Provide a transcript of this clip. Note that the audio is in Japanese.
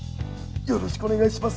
よろしくお願いします。